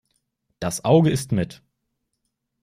Das Auge isst mit.